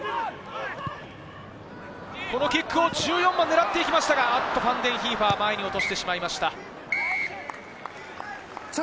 このキックを狙ってきましたがファンデンヒーファー、前に落としてしまいました。